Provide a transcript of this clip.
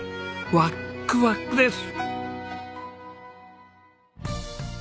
ワックワクです！